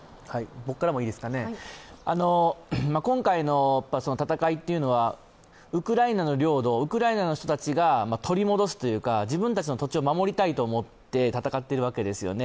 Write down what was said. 今回の戦いというのはウクライナの領土をウクライナの人たちが取り戻すというか、自分たちの土地を守りたいと思って戦っているわけですよね。